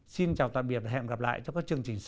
xin chào tạm biệt và hẹn gặp lại trong các chương trình sau